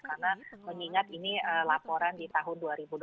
karena mengingat ini laporan di tahun dua ribu dua puluh satu